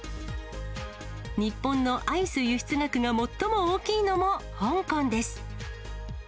日本のアイス輸出額が最も大きいのも香港です。